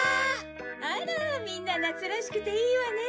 あらみんな夏らしくていいわね。